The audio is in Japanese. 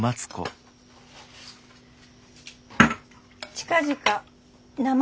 近々名前